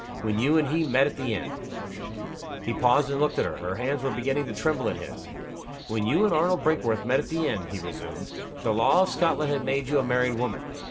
When you and he met at the inn " He paused, and looked at her. Her hands were beginning to tremble in his. "When you and Arnold Brinkworth met at the inn," he resumed, "the law of Scotland had made you a married woman.